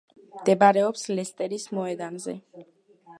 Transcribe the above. მდებარეობს ლესტერის მოედანზე.